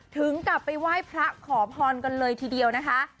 ถึงกลับไปไหว้พระขอพรกันเลยทีเดียวนะคะ